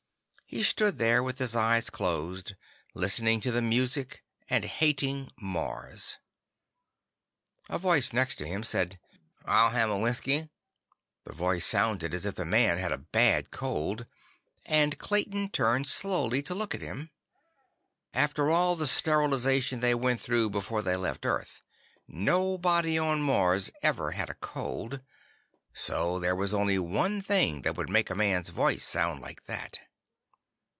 He stood there with his eyes closed, listening to the music and hating Mars. A voice next to him said: "I'll have a whiskey." The voice sounded as if the man had a bad cold, and Clayton turned slowly to look at him. After all the sterilization they went through before they left Earth, nobody on Mars ever had a cold, so there was only one thing that would make a man's voice sound like that.